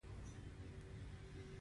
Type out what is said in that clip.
دا چیغه له ستونې څخه راووځي.